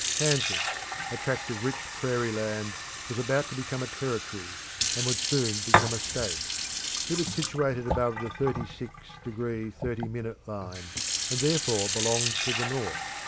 Kansas, a tract of rich prairie land, was about to become a territory, and would soon become a state. It was situated above the 36° 30' line, and therefore belonged to the North.